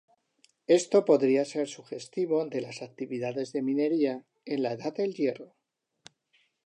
Esto podría ser sugestivo de las actividades de minería en la Edad del Hierro.